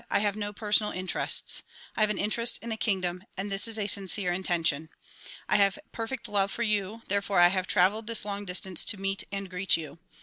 I have no personal inter ests. I have an interest in the kingdom and this is a sincere inten tion. I have perfect love for you, therefore I have traveled this long distance to meet and greet you.